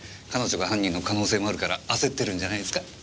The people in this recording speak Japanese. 彼女が犯人の可能性もあるから焦ってるんじゃないですか？